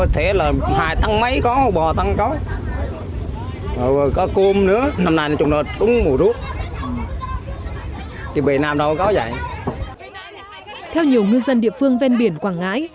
theo nhiều ngư dân địa phương ven biển quảng ngãi